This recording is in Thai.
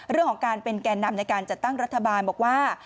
เรื่องของการเป็นแก่นำในการจัดตั้งรัฐบาลบอกว่า